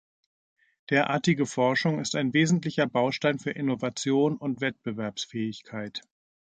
Derartige Forschung ist ein wesentlicher Baustein für Innovation und Wettbewerbsfähigkeit.